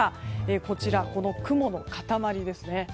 こちらの雲の塊です。